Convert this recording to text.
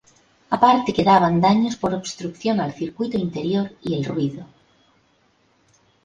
Aparte quedaban daños por obstrucción al Circuito Interior y el ruido.